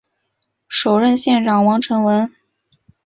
首任县长王成文。